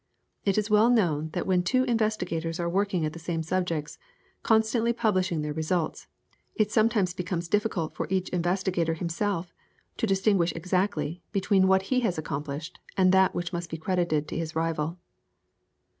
It is well known that when two investigators are working at the same subjects, and constantly publishing their results, it sometimes becomes difficult for each investigator himself to distinguish exactly between what he has accomplished and that which must be credited to his rival.